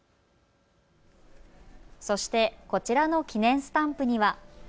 そしてこちらの記念スタンプには。